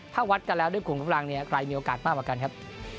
ถ้าวัดกันแล้วด้วยกลุ่มกำลังเนี่ยใครมีโอกาสมากกว่ากันครับ